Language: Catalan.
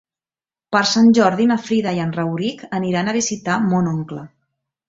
Per Sant Jordi na Frida i en Rauric aniran a visitar mon oncle.